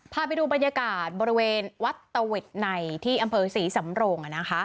พาไปดูบรรยากาศบริเวณวัดตะเวทในที่อำเภอศรีสำโรง